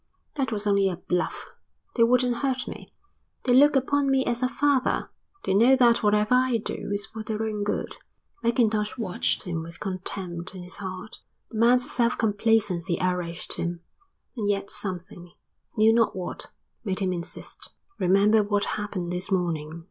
"That was only a bluff. They wouldn't hurt me. They look upon me as a father. They know that whatever I do is for their own good." Mackintosh watched him with contempt in his heart. The man's self complacency outraged him, and yet something, he knew not what, made him insist. "Remember what happened this morning.